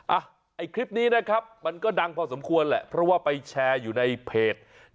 ไอ้คลิปนี้นะครับมันก็ดังพอสมควรแหละเพราะว่าไปแชร์อยู่ในเพจ